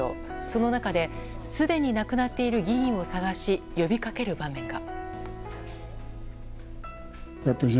その中で、すでに亡くなっている議員を探し呼びかける場面が。